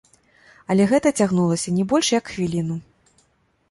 Але гэта цягнулася не больш як хвіліну.